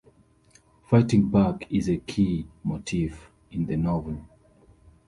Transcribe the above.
Fighting back is a key motif in the novel.